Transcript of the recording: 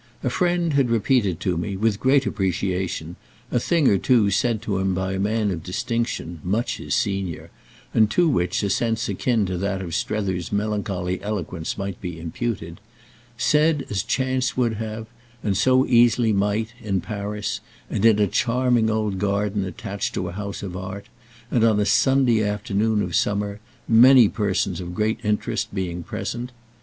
A friend had repeated to me, with great appreciation, a thing or two said to him by a man of distinction, much his senior, and to which a sense akin to that of Strether's melancholy eloquence might be imputed—said as chance would have, and so easily might, in Paris, and in a charming old garden attached to a house of art, and on a Sunday afternoon of summer, many persons of great interest being present.